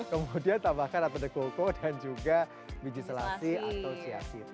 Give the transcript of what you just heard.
kemudian tambahkan ada cocoa dan juga biji selasi atau siasir